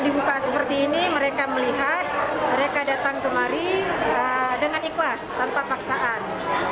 dibuka seperti ini mereka melihat mereka datang kemari dengan ikhlas tanpa paksaan